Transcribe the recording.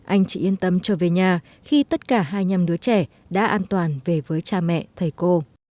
anh chỉ yên tâm trở về nhà khi tất cả hai nhầm đứa trẻ đã an toàn về với cha mẹ thầy cô